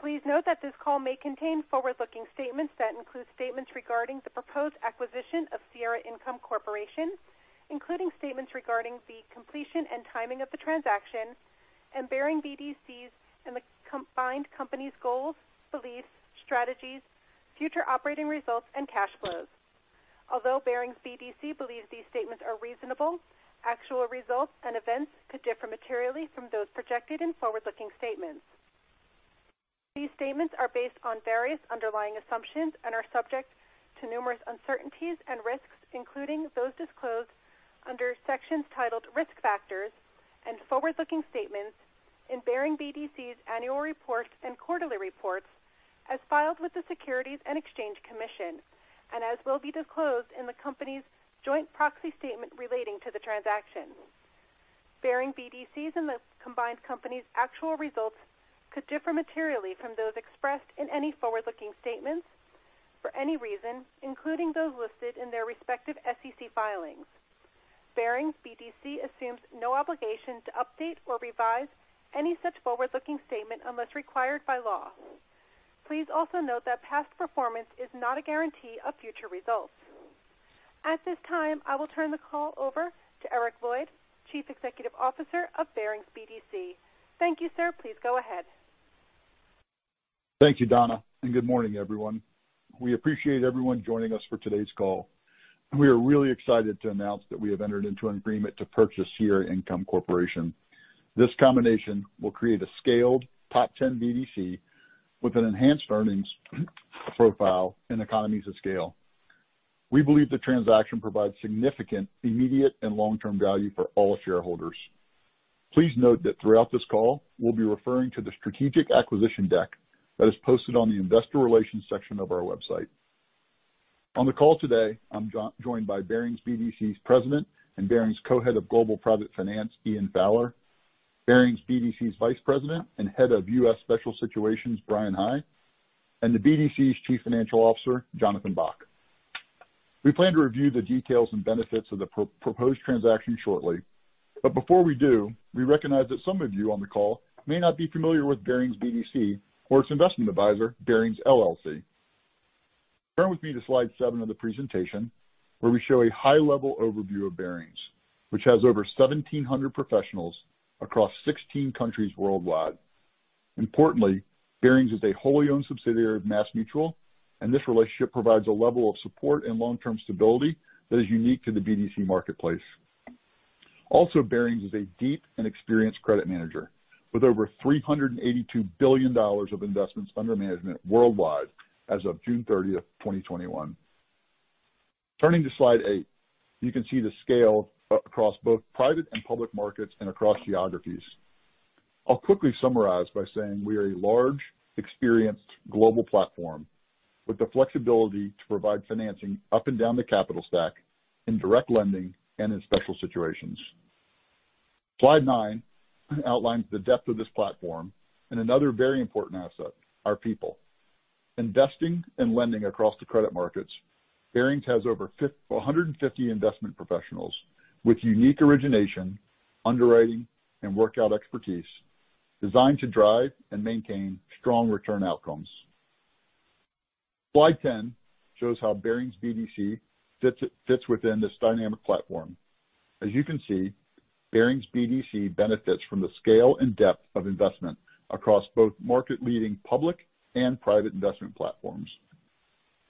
Please note that this call may contain forward-looking statements that include statements regarding the proposed acquisition of Sierra Income Corporation, including statements regarding the completion and timing of the transaction, and Barings BDC's and the combined company's goals, beliefs, strategies, future operating results, and cash flows. Although Barings BDC believes these statements are reasonable, actual results and events could differ materially from those projected in forward-looking statements. These statements are based on various underlying assumptions and are subject to numerous uncertainties and risks, including those disclosed under sections titled Risk Factors and Forward-Looking Statements in Barings BDC's annual reports and quarterly reports as filed with the Securities and Exchange Commission, and as will be disclosed in the company's joint proxy statement relating to the transaction. Barings BDC's and the combined company's actual results could differ materially from those expressed in any forward-looking statements for any reason, including those listed in their respective SEC filings. Barings BDC assumes no obligation to update or revise any such forward-looking statement unless required by law. Please also note that past performance is not a guarantee of future results. At this time, I will turn the call over to Eric Lloyd, Chief Executive Officer of Barings BDC. Thank you, sir. Please go ahead. Thank you, Donna. Good morning, everyone. We appreciate everyone joining us for today's call. We are really excited to announce that we have entered into an agreement to purchase Sierra Income Corporation. This combination will create a scaled top 10 BDC with an enhanced earnings profile and economies of scale. We believe the transaction provides significant immediate and long-term value for all shareholders. Please note that throughout this call, we'll be referring to the strategic acquisition deck that is posted on the investor relations section of our website. On the call today, I'm joined by Barings BDC's President and Barings Co-head of Global Private Finance, Ian Fowler, Barings BDC's Vice President and Head of U.S. Special Situations, Bryan High, and the BDC's Chief Financial Officer, Jonathan Bock. We plan to review the details and benefits of the proposed transaction shortly. Before we do, we recognize that some of you on the call may not be familiar with Barings BDC or its investment advisor, Barings LLC. Turn with me to slide seven of the presentation, where we show a high-level overview of Barings, which has over 1,700 professionals across 16 countries worldwide. Importantly, Barings is a wholly owned subsidiary of MassMutual, and this relationship provides a level of support and long-term stability that is unique to the BDC marketplace. Also, Barings is a deep and experienced credit manager with over $382 billion of investments under management worldwide as of June 30th, 2021. Turning to slide eight, you can see the scale across both private and public markets and across geographies. I'll quickly summarize by saying we are a large, experienced global platform with the flexibility to provide financing up and down the capital stack in direct lending and in special situations. Slide nine outlines the depth of this platform and another very important asset, our people. Investing and lending across the credit markets, Barings has over 150 investment professionals with unique origination, underwriting, and workout expertise designed to drive and maintain strong return outcomes. Slide 10 shows how Barings BDC fits within this dynamic platform. As you can see, Barings BDC benefits from the scale and depth of investment across both market-leading public and private investment platforms.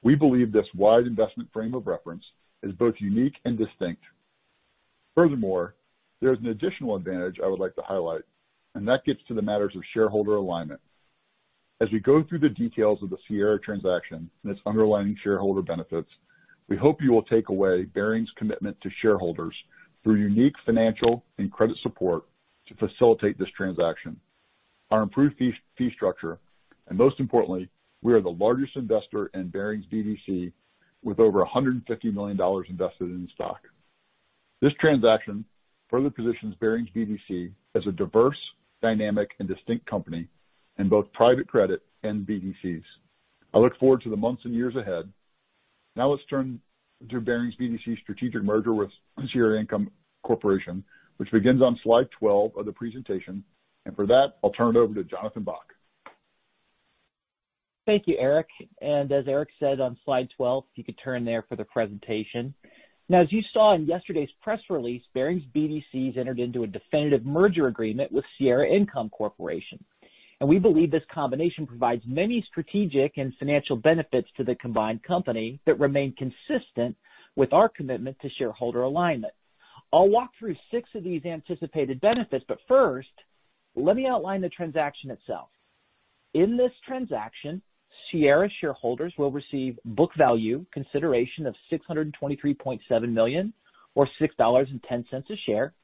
We believe this wide investment frame of reference is both unique and distinct. Furthermore, there's an additional advantage I would like to highlight, and that gets to the matters of shareholder alignment. As we go through the details of the Sierra transaction and its underlying shareholder benefits, we hope you will take away Barings' commitment to shareholders through unique financial and credit support to facilitate this transaction. Our improved fee structure, and most importantly, we are the largest investor in Barings BDC with over $150 million invested in stock. This transaction further positions Barings BDC as a diverse, dynamic, and distinct company in both private credit and BDCs. I look forward to the months and years ahead. Now let's turn to Barings BDC's strategic merger with Sierra Income Corporation, which begins on slide 12 of the presentation. For that, I'll turn it over to Jonathan Bock. Thank you, Eric. As Eric said, on slide 12, if you could turn there for the presentation. As you saw in yesterday's press release, Barings BDC has entered into a definitive merger agreement with Sierra Income Corporation. We believe this combination provides many strategic and financial benefits to the combined company that remain consistent with our commitment to shareholder alignment. I'll walk through six of these anticipated benefits, but first, let me outline the transaction itself. In this transaction, Sierra shareholders will receive book value consideration of $623.7 million or $6.10 a share,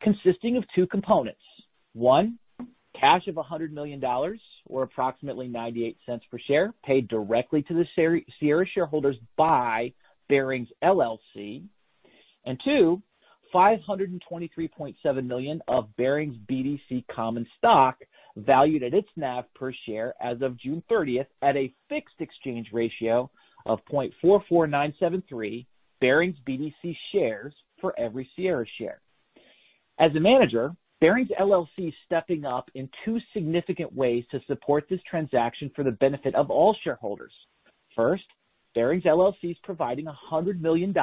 consisting of two components. One Cash of $100 million, or approximately $0.98 per share, paid directly to the Sierra shareholders by Barings LLC. Two, $523.7 million of Barings BDC common stock valued at its NAV per share as of June 30th at a fixed exchange ratio of 0.44973 Barings BDC shares for every Sierra share. As a manager, Barings LLC is stepping up in two significant ways to support this transaction for the benefit of all shareholders. First, Barings LLC is providing $100 million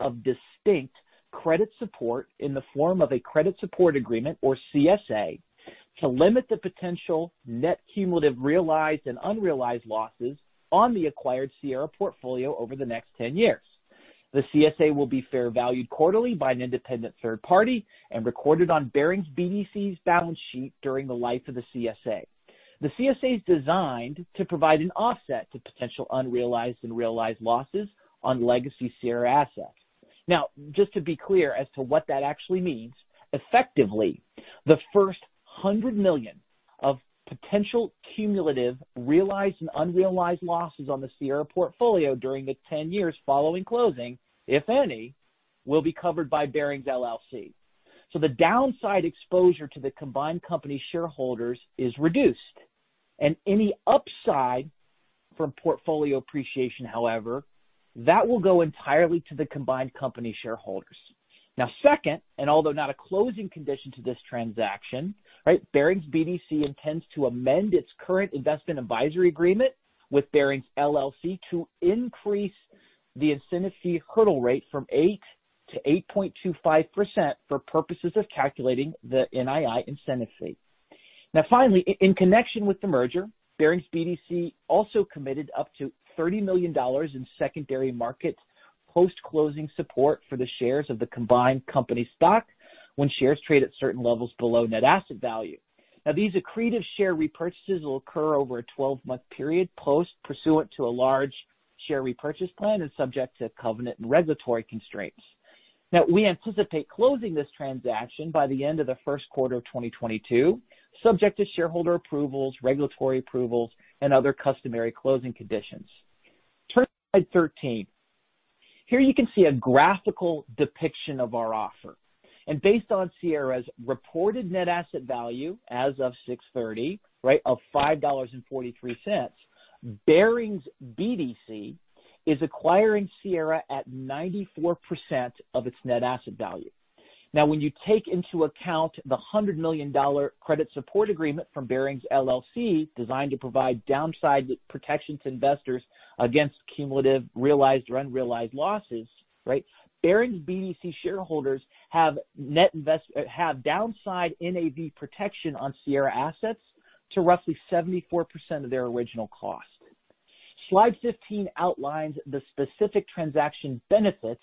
of distinct credit support in the form of a credit support agreement, or CSA, to limit the potential net cumulative realized and unrealized losses on the acquired Sierra portfolio over the next 10 years. The CSA will be fair valued quarterly by an independent third party and recorded on Barings BDC's balance sheet during the life of the CSA. The CSA is designed to provide an offset to potential unrealized and realized losses on legacy Sierra assets. Just to be clear as to what that actually means, effectively, the first $100 million of potential cumulative realized and unrealized losses on the Sierra portfolio during the 10 years following closing, if any, will be covered by Barings LLC. So the downside exposure to the combined company shareholders is reduced. Any upside from portfolio appreciation, however, that will go entirely to the combined company shareholders. Second, although not a closing condition to this transaction, Barings BDC intends to amend its current investment advisory agreement with Barings LLC to increase the incentive fee hurdle rate from 8% to 8.25% for purposes of calculating the NII incentive fee. Finally, in connection with the merger, Barings BDC also committed up to $30 million in secondary market post-closing support for the shares of the combined company stock when shares trade at certain levels below net asset value. These accretive share repurchases will occur over a 12-month period pursuant to a large share repurchase plan and subject to covenant and regulatory constraints. We anticipate closing this transaction by the end of the first quarter of 2022, subject to shareholder approvals, regulatory approvals, and other customary closing conditions. Turn to slide 13. Here you can see a graphical depiction of our offer. Based on Sierra's reported net asset value as of 6/30 of $5.43, Barings BDC is acquiring Sierra at 94% of its net asset value. When you take into account the $100 million credit support agreement from Barings LLC designed to provide downside protection to investors against cumulative realized or unrealized losses, Barings BDC shareholders have downside NAV protection on Sierra assets to roughly 74% of their original cost. Slide 15 outlines the specific transaction benefits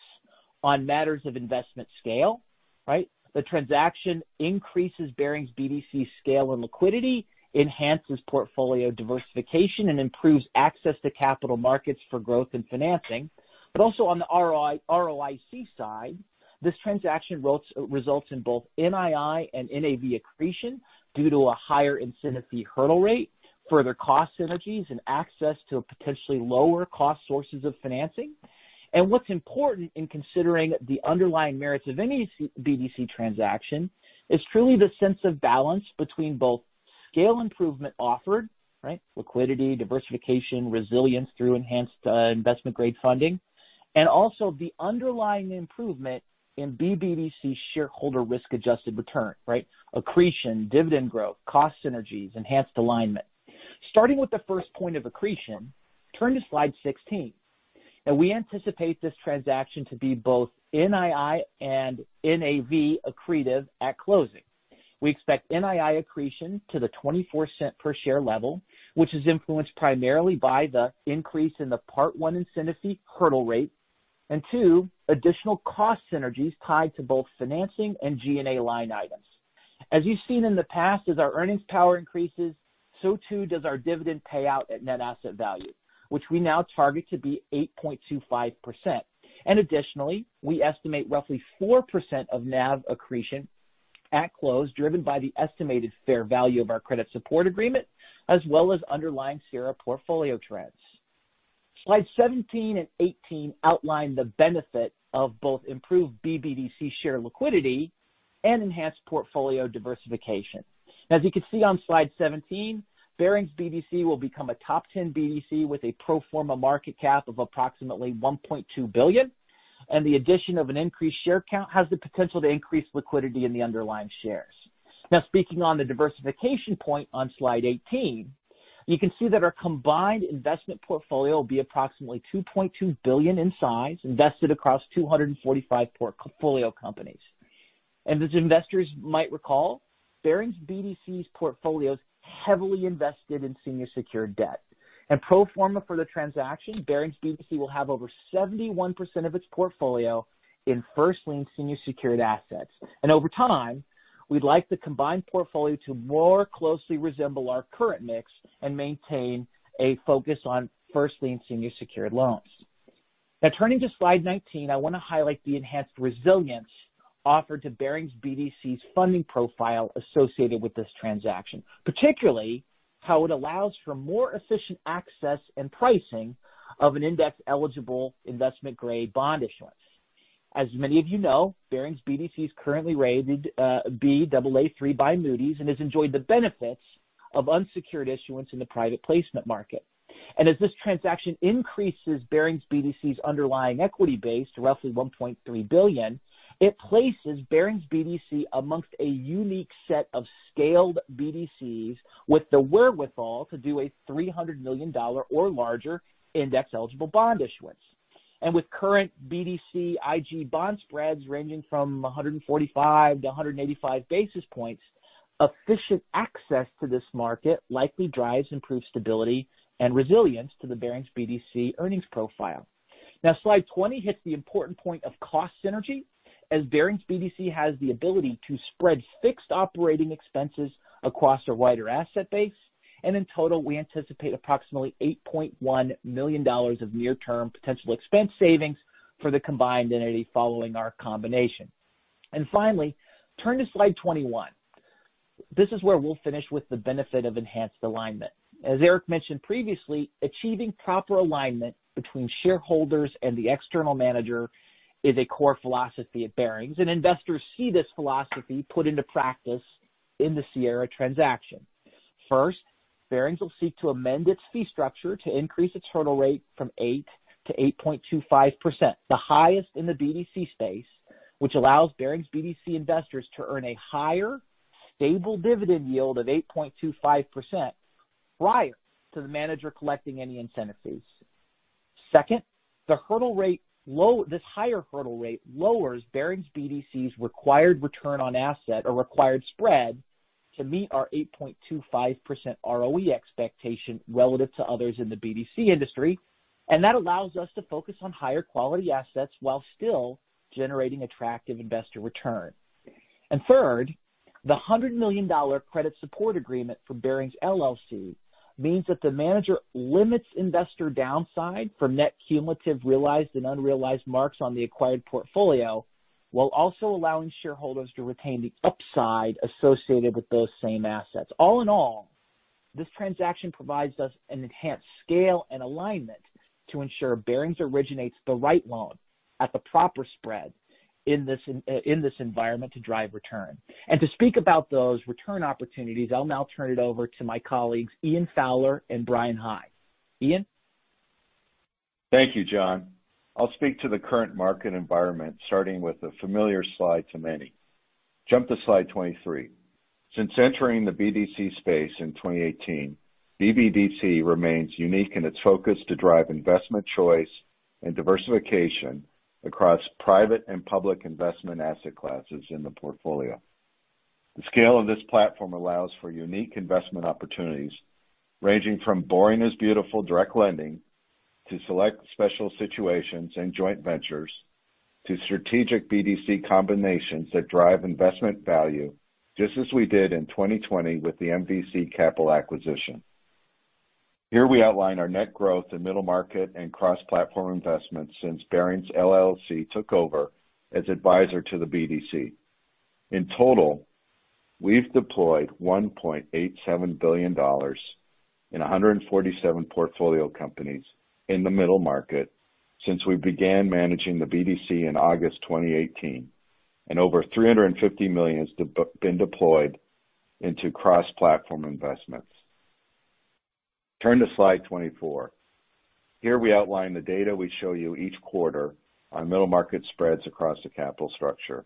on matters of investment scale. The transaction increases Barings BDC's scale and liquidity, enhances portfolio diversification, and improves access to capital markets for growth and financing. Also on the ROIC side, this transaction results in both NII and NAV accretion due to a higher incentive fee hurdle rate, further cost synergies, and access to potentially lower-cost sources of financing. What's important in considering the underlying merits of any BDC transaction is truly the sense of balance between both scale improvement offered, liquidity, diversification, resilience through enhanced investment-grade funding, and also the underlying improvement in BBDC shareholder risk-adjusted return. Accretion, dividend growth, cost synergies, enhanced alignment. Starting with the first point of accretion, turn to slide 16. Now, we anticipate this transaction to be both NII and NAV accretive at closing. We expect NII accretion to the $0.24 per share level, which is influenced primarily by the increase in the part one incentive fee hurdle rate, and two, additional cost synergies tied to both financing and G&A line items. As you've seen in the past, as our earnings power increases, so too does our dividend payout at net asset value, which we now target to be 8.25%. Additionally, we estimate roughly 4% of NAV accretion at close, driven by the estimated fair value of our credit support agreement, as well as underlying Sierra portfolio trends. Slide 17 and 18 outline the benefit of both improved BBDC share liquidity and enhanced portfolio diversification. As you can see on slide 17, Barings BDC will become a top 10 BDC with a pro forma market cap of approximately $1.2 billion, and the addition of an increased share count has the potential to increase liquidity in the underlying shares. Now, speaking on the diversification point on slide 18, you can see that our combined investment portfolio will be approximately $2.2 billion in size, invested across 245 portfolio companies. As investors might recall, Barings BDC's portfolio is heavily invested in senior secured debt. Pro forma for the transaction, Barings BDC will have over 71% of its portfolio in first-lien senior secured assets. Over time, we'd like the combined portfolio to more closely resemble our current mix and maintain a focus on first-lien senior secured loans. Turning to slide 19, I want to highlight the enhanced resilience offered to Barings BDC's funding profile associated with this transaction. Particularly how it allows for more efficient access and pricing of an index-eligible investment-grade bond issuance. As many of you know, Barings BDC is currently rated Baa3 by Moody's and has enjoyed the benefits of unsecured issuance in the private placement market. As this transaction increases Barings BDC's underlying equity base to roughly $1.3 billion, it places Barings BDC amongst a unique set of scaled BDCs with the wherewithal to do a $300 million or larger index-eligible bond issuance. With current BDC IG bond spreads ranging from 145-185 basis points, efficient access to this market likely drives improved stability and resilience to the Barings BDC earnings profile. Slide 20 hits the important point of cost synergy as Barings BDC has the ability to spread fixed operating expenses across a wider asset base. In total, we anticipate approximately $8.1 million of near-term potential expense savings for the combined entity following our combination. Finally, turn to slide 21. This is where we'll finish with the benefit of enhanced alignment. As Eric mentioned previously, achieving proper alignment between shareholders and the external manager is a core philosophy at Barings. Investors see this philosophy put into practice in the Sierra transaction. First, Barings will seek to amend its fee structure to increase its hurdle rate from 8% to 8.25%, the highest in the BDC space, which allows Barings BDC investors to earn a higher, stable dividend yield of 8.25% prior to the manager collecting any incentive fees. Second, this higher hurdle rate lowers Barings BDC's required return on asset or required spread to meet our 8.25% ROE expectation relative to others in the BDC industry. That allows us to focus on higher quality assets while still generating attractive investor return. Third, the $100 million credit support agreement for Barings LLC means that the manager limits investor downside from net cumulative realized and unrealized marks on the acquired portfolio, while also allowing shareholders to retain the upside associated with those same assets. All in all, this transaction provides us an enhanced scale and alignment to ensure Barings originates the right loan at the proper spread in this environment to drive return. To speak about those return opportunities, I'll now turn it over to my colleagues, Ian Fowler and Bryan High. Ian? Thank you, Jon. I'll speak to the current market environment, starting with a familiar slide to many. Jump to slide 23. Since entering the BDC space in 2018, BBDC remains unique in its focus to drive investment choice and diversification across private and public investment asset classes in the portfolio. The scale of this platform allows for unique investment opportunities, ranging from boring is beautiful direct lending to select special situations and joint ventures to strategic BDC combinations that drive investment value, just as we did in 2020 with the MVC Capital acquisition. Here we outline our net growth in middle market and cross-platform investments since Barings LLC took over as advisor to the BDC. In total, we've deployed $1.87 billion in 147 portfolio companies in the middle market since we began managing the BDC in August 2018. Over $350 million has been deployed into cross-platform investments. Turn to slide 24. Here we outline the data we show you each quarter on middle market spreads across the capital structure.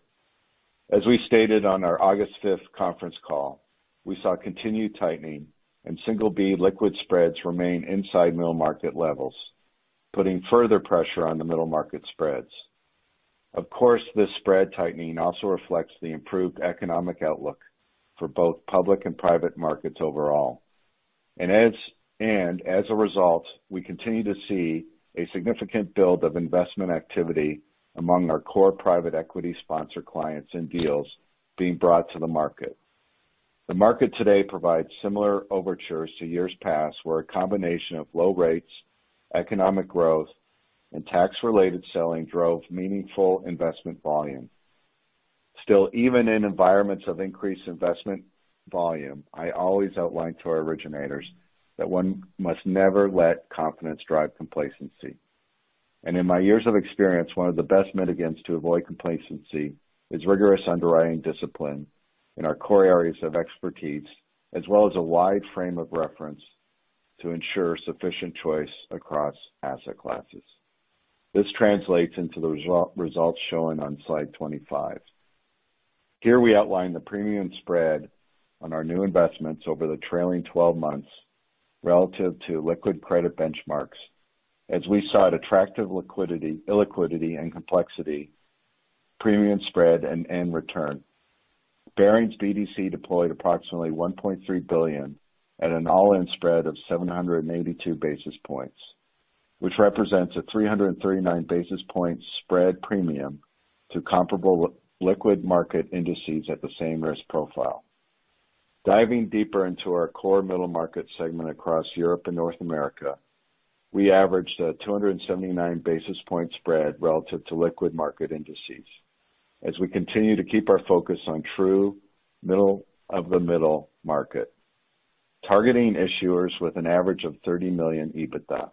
As we stated on our August 5th conference call, we saw continued tightening and single B liquid spreads remain inside middle market levels, putting further pressure on the middle market spreads. Of course, this spread tightening also reflects the improved economic outlook for both public and private markets overall. As a result, we continue to see a significant build of investment activity among our core private equity sponsor clients and deals being brought to the market. The market today provides similar overtures to years past, where a combination of low rates, economic growth, and tax-related selling drove meaningful investment volume. Still, even in environments of increased investment volume, I always outline to our originators that one must never let confidence drive complacency. In my years of experience, one of the best mitigants to avoid complacency is rigorous underwriting discipline in our core areas of expertise, as well as a wide frame of reference to ensure sufficient choice across asset classes. This translates into the results shown on slide 25. Here we outline the premium spread on our new investments over the trailing 12 months relative to liquid credit benchmarks as we saw attractive illiquidity and complexity, premium spread and end return. Barings BDC deployed approximately $1.3 billion at an all-in spread of 782 basis points, which represents a 339 basis point spread premium to comparable liquid market indices at the same risk profile. Diving deeper into our core middle market segment across Europe and North America, we averaged a 279 basis point spread relative to liquid market indices as we continue to keep our focus on true middle of the middle market, targeting issuers with an average of 30 million EBITDA.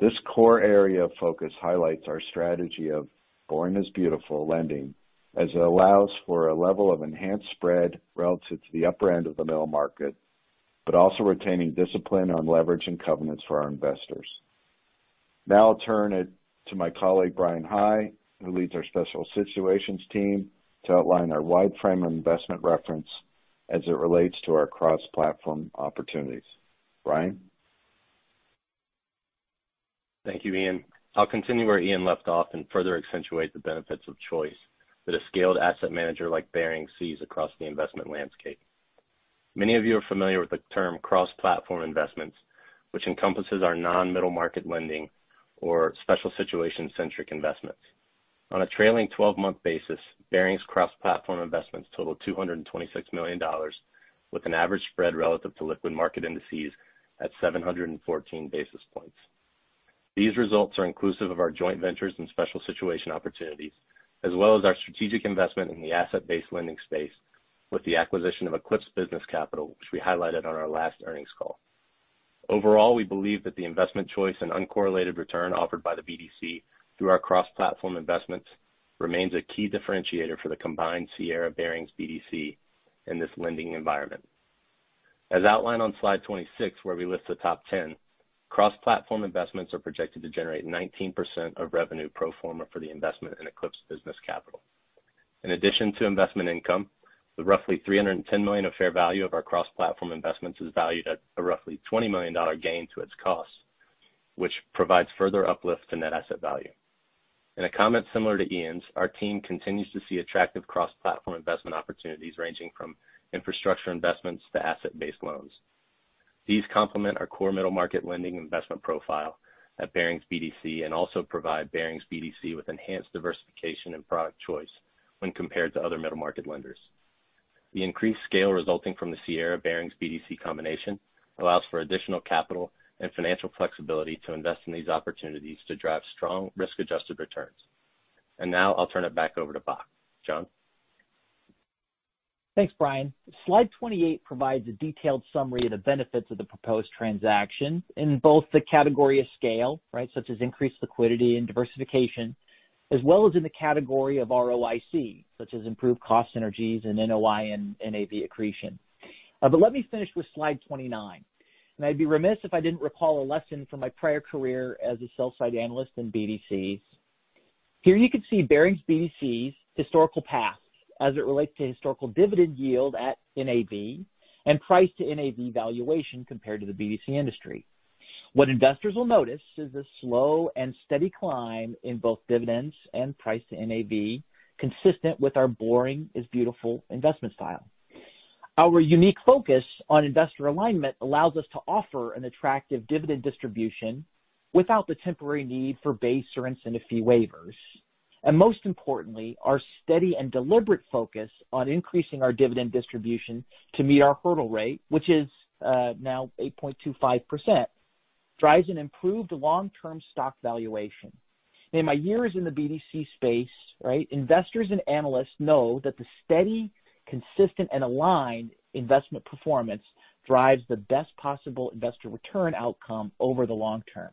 This core area of focus highlights our strategy of boring is beautiful lending as it allows for a level of enhanced spread relative to the upper end of the middle market, but also retaining discipline on leverage and covenants for our investors. I'll turn it to my colleague, Bryan High, who leads our Special Situations Team to outline our wide frame investment reference as it relates to our cross-platform opportunities. Bryan? Thank you, Ian. I'll continue where Ian left off and further accentuate the benefits of choice that a scaled asset manager like Barings sees across the investment landscape. Many of you are familiar with the term cross-platform investments, which encompasses our non-middle market lending or special situation-centric investments. On a trailing 12-month basis, Barings cross-platform investments total $226 million, with an average spread relative to liquid market indices at 714 basis points. These results are inclusive of our joint ventures and special situation opportunities, as well as our strategic investment in the asset-based lending space with the acquisition of Eclipse Business Capital, which we highlighted on our last earnings call. Overall, we believe that the investment choice and uncorrelated return offered by the BDC through our cross-platform investments remains a key differentiator for the combined Sierra Barings BDC in this lending environment. As outlined on slide 26, where we list the top 10, cross-platform investments are projected to generate 19% of revenue pro forma for the investment in Eclipse Business Capital. In addition to investment income, the roughly $310 million of fair value of our cross-platform investments is valued at a roughly $20 million gain to its cost, which provides further uplift to net asset value. In a comment similar to Ian's, our team continues to see attractive cross-platform investment opportunities ranging from infrastructure investments to asset-based loans. These complement our core middle market lending investment profile at Barings BDC and also provide Barings BDC with enhanced diversification and product choice when compared to other middle market lenders. The increased scale resulting from the Sierra Barings BDC combination allows for additional capital and financial flexibility to invest in these opportunities to drive strong risk-adjusted returns. Now I'll turn it back over to Bock. Jon? Thanks, Bryan. Slide 28 provides a detailed summary of the benefits of the proposed transaction in both the category of scale, such as increased liquidity and diversification, as well as in the category of ROIC, such as improved cost synergies and NII and NAV accretion. Let me finish with slide 29. I'd be remiss if I didn't recall a lesson from my prior career as a sell-side analyst in BDCs. Here you can see Barings BDC's historical path as it relates to historical dividend yield at NAV and price to NAV valuation compared to the BDC industry. What investors will notice is the slow and steady climb in both dividends and price to NAV consistent with our boring is beautiful investment style. Our unique focus on investor alignment allows us to offer an attractive dividend distribution without the temporary need for base or incentive fee waivers. Most importantly, our steady and deliberate focus on increasing our dividend distribution to meet our hurdle rate, which is now 8.25%, drives an improved long-term stock valuation. In my years in the BDC space, investors and analysts know that the steady, consistent, and aligned investment performance drives the best possible investor return outcome over the long term.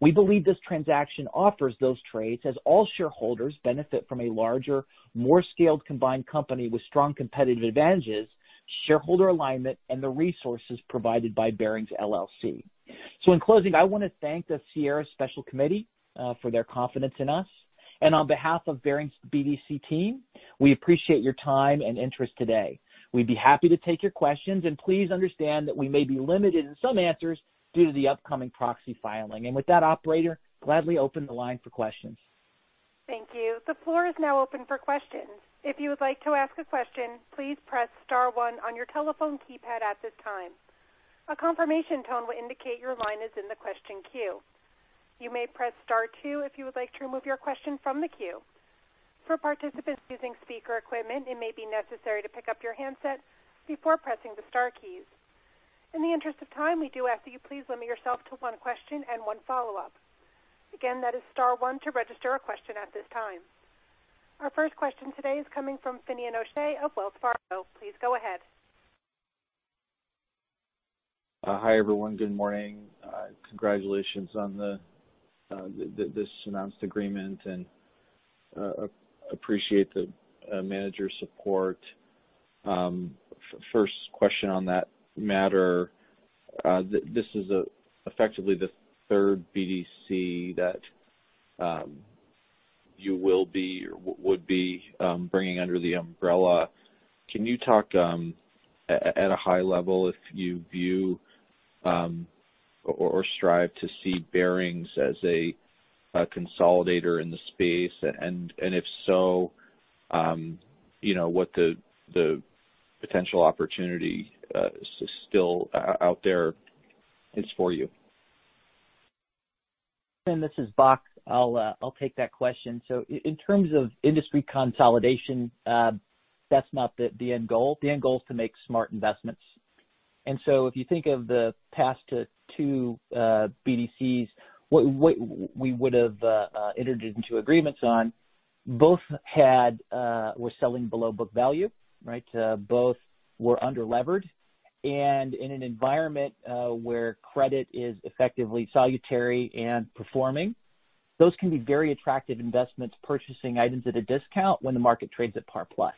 We believe this transaction offers those trades as all shareholders benefit from a larger, more scaled combined company with strong competitive advantages, shareholder alignment, and the resources provided by Barings LLC. In closing, I want to thank the Sierra Special Committee for their confidence in us. On behalf of Barings BDC team, we appreciate your time and interest today. We'd be happy to take your questions, and please understand that we may be limited in some answers due to the upcoming proxy filing. With that, operator, gladly open the line for questions. Thank you. The floor is now open for questions. If you would like to ask a question, please press star one on your telephone keypad at this time. A confirmation tone will indicate your line is in the question queue. You may press star two if you would like to remove your question from the queue. For participants using speaker equipment, it may be necessary to pick up your handset before pressing the star keys. In the interest of time, we do ask that you please limit yourself to one question and one follow-up. That is star one to register a question at this time. Our first question today is coming from Finian O'Shea of Wells Fargo. Please go ahead. Hi, everyone. Good morning. Congratulations on this announced agreement, and appreciate the manager support. First question on that matter. This is effectively the third BDC that you will be or would be bringing under the umbrella. Can you talk at a high level if you view or strive to see Barings as a consolidator in the space? If so, what the potential opportunity still out there is for you? This is Bock. I'll take that question. In terms of industry consolidation, that's not the end goal. The end goal is to make smart investments. If you think of the past two BDCs, what we would have entered into agreements on, both were selling below book value, right? Both were under-levered. And in an environment where credit is effectively salutary and performing, those can be very attractive investments, purchasing items at a discount when the market trades at par plus.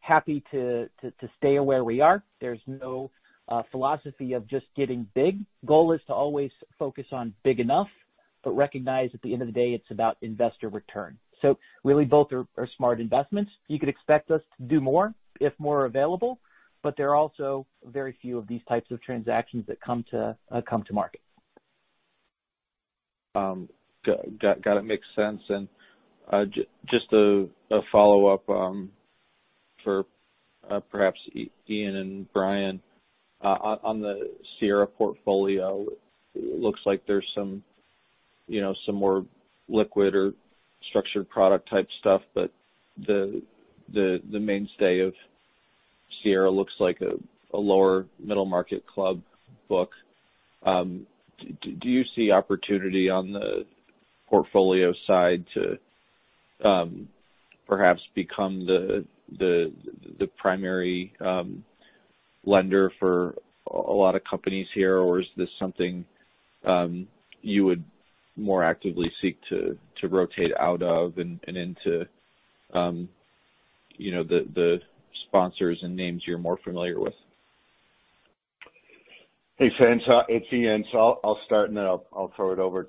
Happy to stay where we are. There's no philosophy of just getting big. Goal is to always focus on big enough, but recognize at the end of the day, it's about investor return. Really both are smart investments. You could expect us to do more if more are available, but there are also very few of these types of transactions that come to market. Got it. Makes sense. Just a follow-up for perhaps Ian and Bryan. On the Sierra portfolio, looks like there's some more liquid or structured product type stuff, but the mainstay of Sierra looks like a lower middle market club book. Do you see opportunity on the portfolio side to perhaps become the primary lender for a lot of companies here? Is this something you would more actively seek to rotate out of and into the sponsors and names you're more familiar with? Hey, Finian O'Shea, it's Ian Fowler. I'll start and then I'll throw it over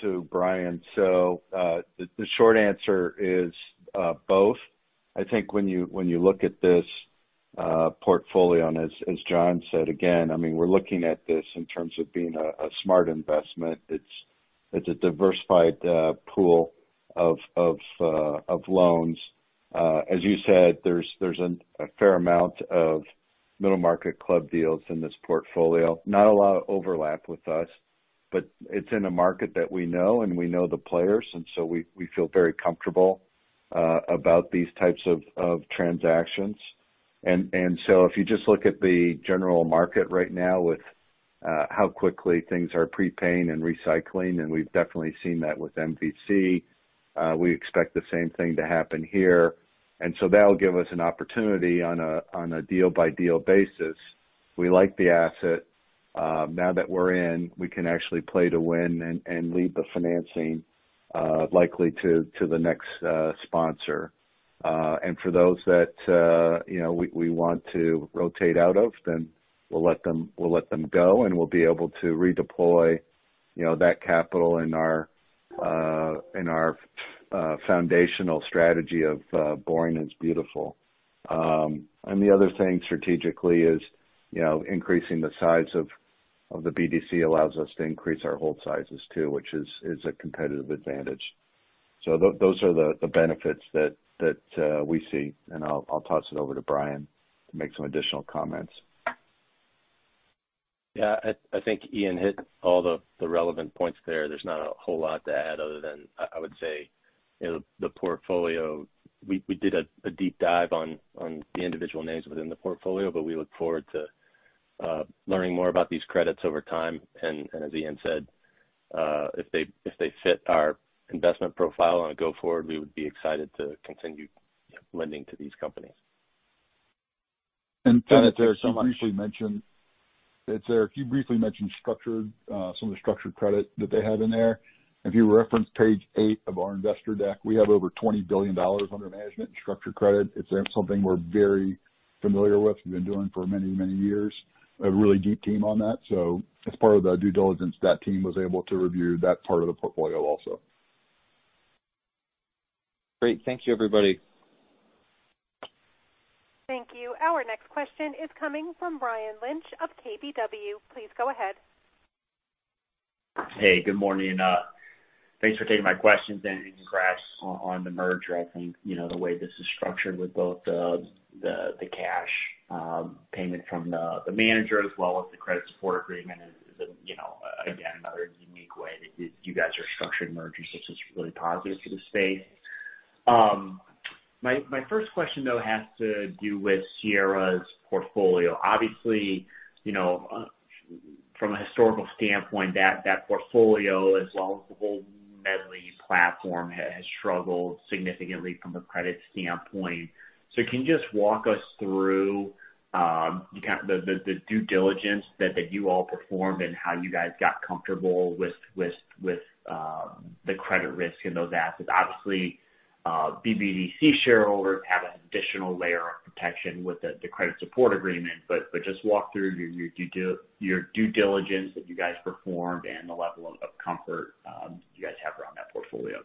to Bryan. The short answer is both. I think when you look at this portfolio, and as Jon said, again, we're looking at this in terms of being a smart investment. It's a diversified pool of loans. As you said, there's a fair amount of middle market club deals in this portfolio. Not a lot of overlap with us, but it's in a market that we know, and we know the players, we feel very comfortable about these types of transactions. If you just look at the general market right now with how quickly things are prepaying and recycling, and we've definitely seen that with MVC, we expect the same thing to happen here. That'll give us an opportunity on a deal-by-deal basis. We like the asset. Now that we're in, we can actually play to win and lead the financing, likely to the next sponsor. For those that we want to rotate out of, then we'll let them go, and we'll be able to redeploy that capital in our foundational strategy of boring is beautiful. The other thing strategically is increasing the size of the BDC allows us to increase our hold sizes too, which is a competitive advantage. Those are the benefits that we see, and I'll toss it over to Bryan to make some additional comments. Yeah. I think Ian hit all the relevant points there. There's not a whole lot to add other than, I would say, the portfolio. We did a deep dive on the individual names within the portfolio, but we look forward to learning more about these credits over time. As Ian said, if they fit our investment profile on a go forward, we would be excited to continue lending to these companies. Sir, you briefly mentioned some of the structured credit that they have in there. If you reference page eight of our investor deck, we have over $20 billion under management in structured credit. It's something we're very familiar with and been doing for many, many years. A really deep team on that. As part of the due diligence, that team was able to review that part of the portfolio also. Great. Thank you, everybody. Thank you. Our next question is coming from Ryan Lynch of KBW. Please go ahead. Hey, good morning. Thanks for taking my questions and congrats on the merger. I think the way this is structured with both the cash payment from the manager as well as the credit support agreement is again, another unique way that you guys are structuring mergers, which is really positive for the space. My first question, though, has to do with Sierra's portfolio. Obviously, from a historical standpoint, that portfolio as well as the whole Medley platform has struggled significantly from a credit standpoint. Can you just walk us through the due diligence that you all performed and how you guys got comfortable with the credit risk in those assets? Obviously, BBDC shareholders have an additional layer of protection with the credit support agreement, just walk through your due diligence that you guys performed and the level of comfort you guys have around that portfolio?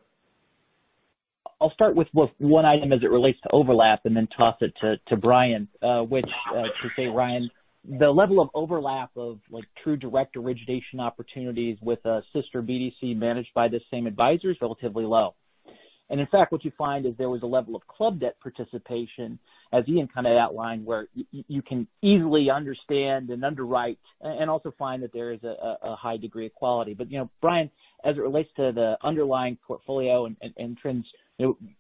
I'll start with one item as it relates to overlap and then toss it to Bryan. Which to say, Ryan, the level of overlap of true direct origination opportunities with a sister BDC managed by the same advisor is relatively low and in fact, what you find is there was a level of club debt participation, as Ian kind of outlined, where you can easily understand and underwrite and also find that there is a high degree of quality. Bryan, as it relates to the underlying portfolio and trends,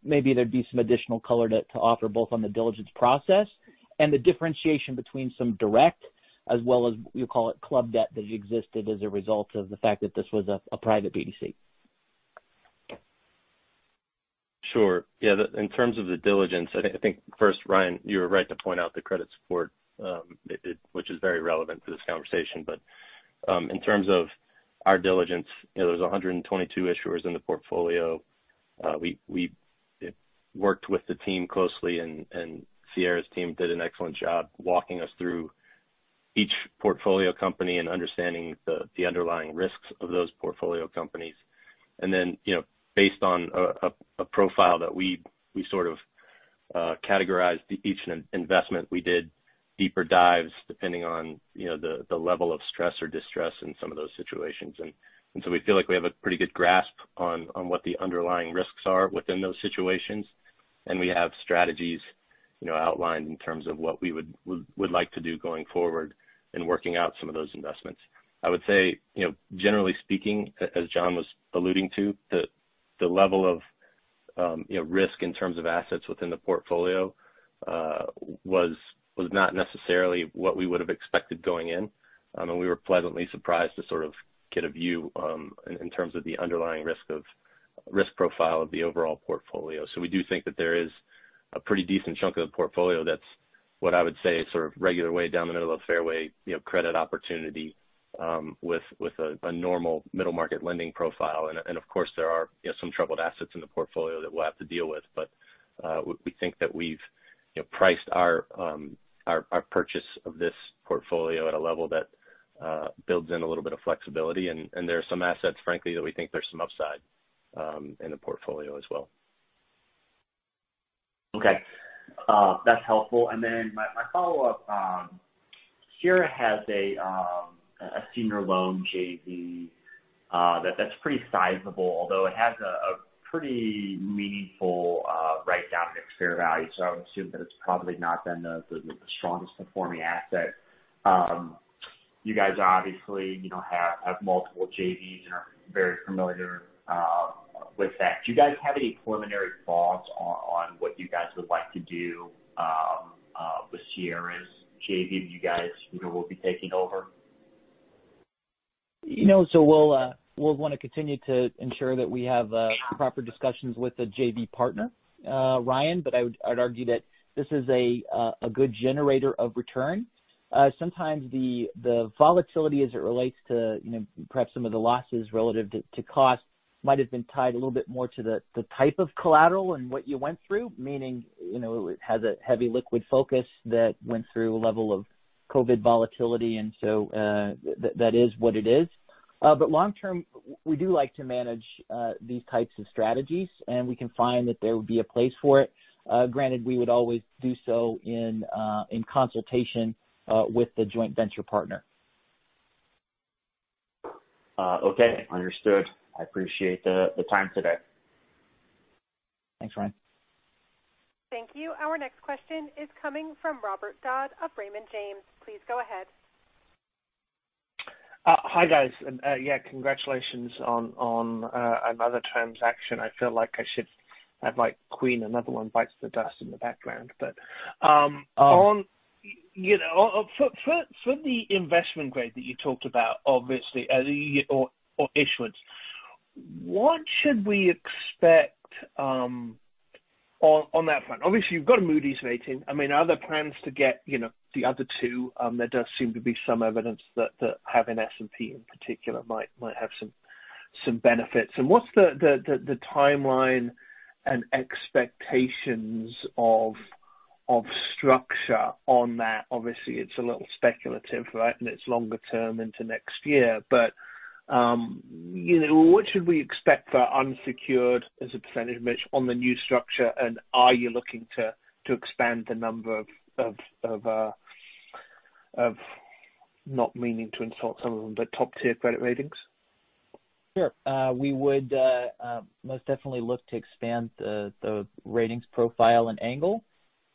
maybe there'd be some additional color to offer both on the diligence process and the differentiation between some direct as well as, you call it club debt that existed as a result of the fact that this was a private BDC. Sure. Yeah. In terms of the diligence, I think first, Ryan, you were right to point out the credit support, which is very relevant to this conversation. In terms of our diligence, there was 122 issuers in the portfolio. We worked with the team closely and Sierra's team did an excellent job walking us through each portfolio company and understanding the underlying risks of those portfolio companies. Based on a profile that we sort of categorized each investment. We did deeper dives, depending on the level of stress or distress in some of those situations. We feel like we have a pretty good grasp on what the underlying risks are within those situations. We have strategies outlined in terms of what we would like to do going forward in working out some of those investments. I would say, generally speaking, as Jon was alluding to, the level of risk in terms of assets within the portfolio was not necessarily what we would have expected going in. We were pleasantly surprised to sort of get a view, in terms of the underlying risk profile of the overall portfolio. We do think that there is a pretty decent chunk of the portfolio that's what I would say, sort of regular way down the middle of fairway credit opportunity, with a normal middle market lending profile. Of course, there are some troubled assets in the portfolio that we'll have to deal with, but we think that we've priced our purchase of this portfolio at a level that builds in a little bit of flexibility. There are some assets, frankly, that we think there's some upside in the portfolio as well. Okay. That's helpful. My follow-up, Sierra has a senior loan JV, that's pretty sizable, although it has a pretty meaningful write-down at fair value. I would assume that it's probably not been the strongest performing asset. You guys obviously have multiple JVs and are very familiar with that. Do you guys have any preliminary thoughts on what you guys would like to do with Sierra's JV that you guys will be taking over? We'll want to continue to ensure that we have proper discussions with the JV partner, Ryan, but I'd argue that this is a good generator of return. Sometimes the volatility as it relates to perhaps some of the losses relative to cost might have been tied a little bit more to the type of collateral and what you went through. Meaning, it has a heavy liquid focus that went through a level of COVID volatility, and so that is what it is. Long term, we do like to manage these types of strategies, and we can find that there would be a place for it. Granted, we would always do so in consultation with the joint venture partner. Okay, understood. I appreciate the time today. Thanks, Ryan. Thank you. Our next question is coming from Robert Dodd of Raymond James. Please go ahead. Hi, guys. Yeah, congratulations on another transaction. I feel like I should have Queen, "Another One Bites the Dust" in the background. Oh. For the investment grade that you talked about, obviously, or issuance, what should we expect on that front? Obviously, you've got a Moody's rating. Are there plans to get the other two? There does seem to be some evidence that having S&P in particular might have some benefits. What's the timeline and expectations of structure on that? Obviously, it's a little speculative, right? It's longer term into next year. What should we expect for unsecured as a percentage mix on the new structure? Are you looking to expand the number of, not meaning to insult some of them, but top tier credit ratings? Sure. We would most definitely look to expand the ratings profile and angle.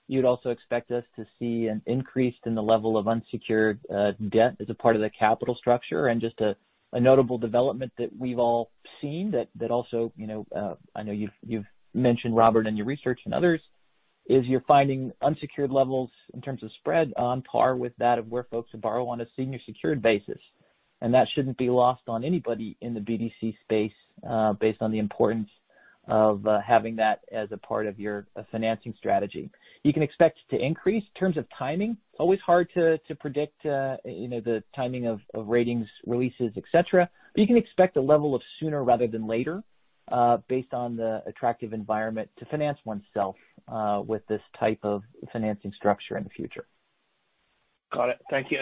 You'd also expect us to see an increase in the level of unsecured debt as a part of the capital structure. Just a notable development that we've all seen that also, I know you've mentioned, Robert, in your research and others, is you're finding unsecured levels in terms of spread on par with that of where folks would borrow on a senior secured basis. That shouldn't be lost on anybody in the BDC space, based on the importance of having that as a part of your financing strategy. You can expect to increase. In terms of timing, always hard to predict the timing of ratings releases, et cetera. You can expect a level of sooner rather than later, based on the attractive environment to finance oneself with this type of financing structure in the future. Got it. Thank you.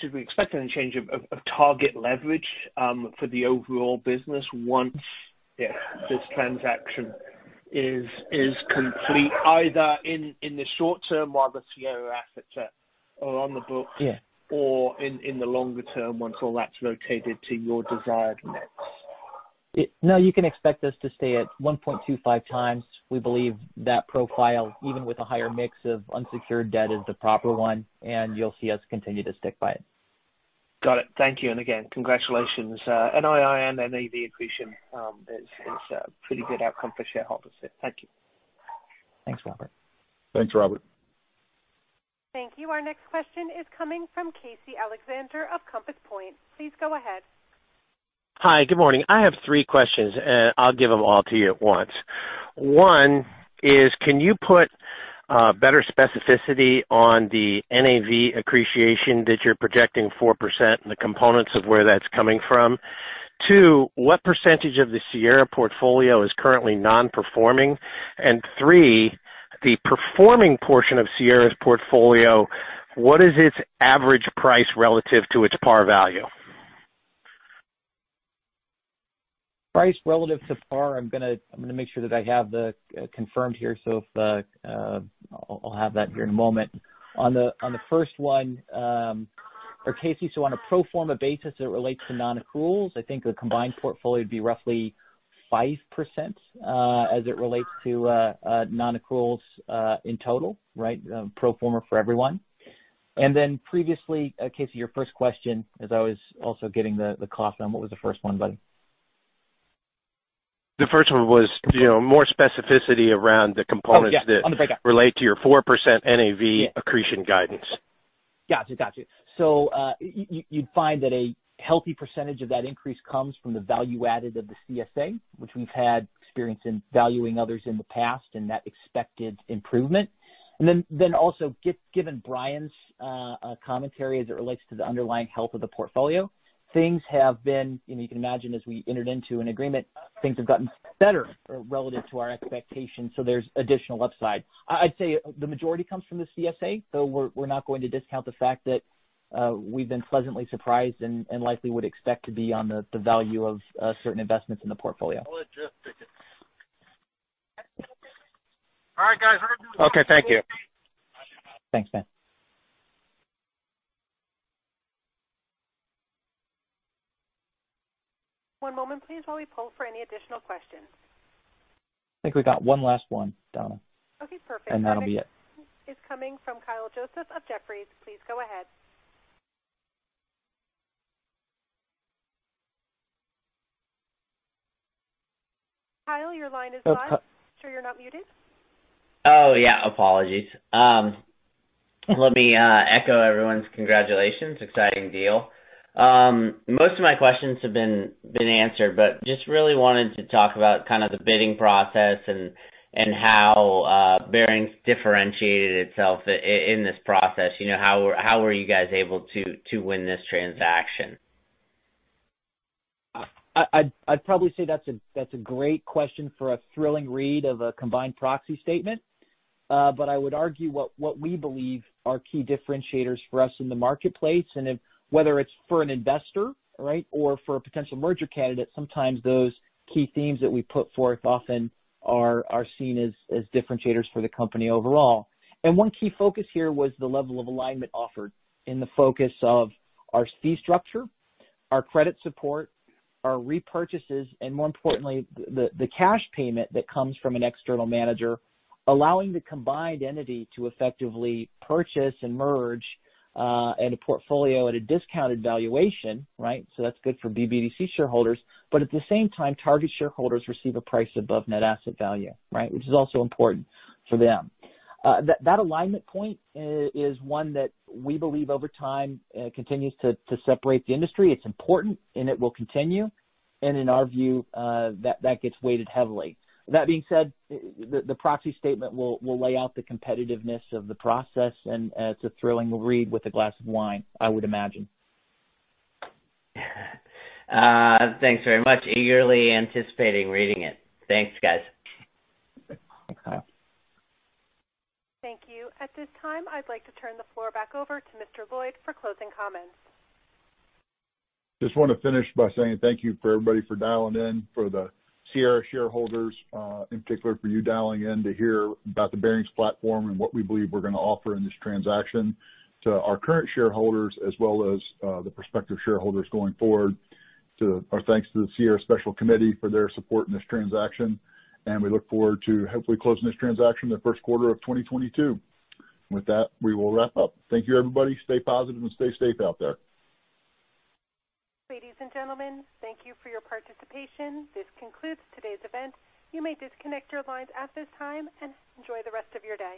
Should we expect any change of target leverage for the overall business once this transaction is complete, either in the short term while the Sierra assets are on the books. Yeah In the longer term once all that's located to your desired mix? No, you can expect this to stay at 1.25 times. We believe that profile, even with a higher mix of unsecured debt, is the proper one, and you'll see us continue to stick by it. Got it. Thank you. Again, congratulations. NII and NAV accretion is a pretty good outcome for shareholders. Thank you. Thanks, Robert. Thanks, Robert. Thank you. Our next question is coming from Casey Alexander of Compass Point. Please go ahead. Hi. Good morning. I have three questions. I'll give them all to you at once. One is, can you put better specificity on the NAV accretion that you're projecting 4% and the components of where that's coming from? Two, what percentage of the Sierra portfolio is currently non-performing? Three, the performing portion of Sierra's portfolio, what is its average price relative to its par value? Price relative to par, I'm going to make sure that I have that confirmed here. I'll have that here in a moment. On the first one, Casey, on a pro forma basis as it relates to non-accruals, I think the combined portfolio would be roughly 5% as it relates to non-accruals in total, pro forma for everyone. Previously, Casey, your first question, as I was also getting the cost on, what was the first one, buddy? The first one was more specificity around the components. Oh, yeah. I'm going to back up. Relate to your 4% NAV accretion guidance. Got you. You'd find that a healthy percentage of that increase comes from the value added of the CSA, which we've had experience in valuing others in the past and that expected improvement. Also given Bryan's commentary as it relates to the underlying health of the portfolio, things have been, you can imagine as we entered into an agreement, things have gotten better relative to our expectations, so there's additional upside. I'd say the majority comes from the CSA. We're not going to discount the fact that we've been pleasantly surprised and likely would expect to be on the value of certain investments in the portfolio. Okay, thank you. Thanks, man. One moment please while we poll for any additional questions. I think we got one last one, Donna. Okay, perfect. That'll be it. is coming from Kyle Joseph of Jefferies. Please go ahead. Kyle, your line is live. Make sure you are not muted. Oh, yeah. Apologies. Let me echo everyone's congratulations. Exciting deal. Most of my questions have been answered, but just really wanted to talk about kind of the bidding process and how Barings differentiated itself in this process. How were you guys able to win this transaction? I'd probably say that's a great question for a thrilling read of a combined proxy statement. I would argue what we believe are key differentiators for us in the marketplace, and whether it's for an investor or for a potential merger candidate, sometimes those key themes that we put forth often are seen as differentiators for the company overall. One key focus here was the level of alignment offered in the focus of our fee structure, our credit support, our repurchases, and more importantly, the cash payment that comes from an external manager, allowing the combined entity to effectively purchase and merge a portfolio at a discounted valuation. That's good for BBDC shareholders. At the same time, target shareholders receive a price above net asset value. Which is also important for them. That alignment point is one that we believe over time continues to separate the industry. It's important, and it will continue. In our view, that gets weighted heavily. That being said, the proxy statement will lay out the competitiveness of the process, and it's a thrilling read with a glass of wine, I would imagine. Thanks very much. Eagerly anticipating reading it. Thanks, guys. Thanks, Kyle. Thank you. At this time, I'd like to turn the floor back over to Mr. Lloyd for closing comments. Just want to finish by saying thank you for everybody for dialing in, for the Sierra shareholders, in particular for you dialing in to hear about the Barings platform and what we believe we're going to offer in this transaction to our current shareholders as well as the prospective shareholders going forward. Our thanks to the Sierra Special Committee for their support in this transaction. We look forward to hopefully closing this transaction in the first quarter of 2022. With that, we will wrap up. Thank you, everybody. Stay positive and stay safe out there. Ladies and gentlemen, thank you for your participation. This concludes today's event. You may disconnect your lines at this time and enjoy the rest of your day.